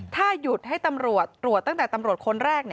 ถ้าหยุดให้ตำรวจตรวจตั้งแต่ตำรวจคนแรก